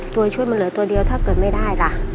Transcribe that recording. ตัวช่วยมันเหลือตัวเดียวถ้าเกิดไม่ได้ล่ะ